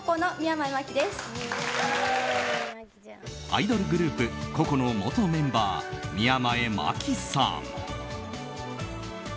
アイドルグループＣｏＣｏの元メンバー、宮前真樹さん。